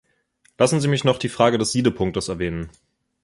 Lassen Sie mich noch die Frage des Siedepunkts erwähnen.